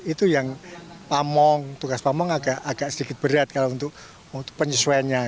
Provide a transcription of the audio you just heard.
itu yang tugas pamong agak sedikit berat untuk penyesuaiannya